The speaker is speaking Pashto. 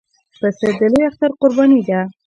پسه د لوی اختر قرباني ده.